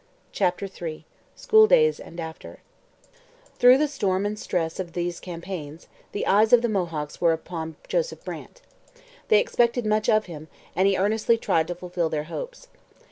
CHAPTER III SCHOOLDAYS AND AFTER Through the storm and stress of these campaigns, the eyes of the Mohawks were upon Joseph Brant. They expected much of him, and he earnestly tried to fulfil their hopes.